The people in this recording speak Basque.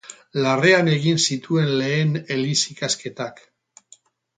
Larrean egin zituen lehen eliz ikasketak.